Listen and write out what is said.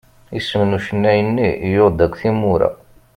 Isem n ucennay-nni yuɣ-d akk timura.